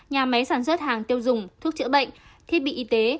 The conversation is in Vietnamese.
nhà máy sản xuất hàng tiêu dùng thuốc chữa bệnh thiết bị y tế